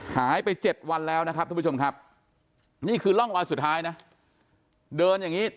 หายไป๗วันแล้วนะครับทุกผู้ชมครับนี่คือร่องรอยสุดท้ายนะเดินอย่างนี้